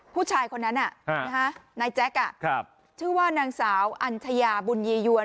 ผู้ชายคนนั้นนายแจ๊คชื่อว่านางสาวอัญชยาบุญยียวน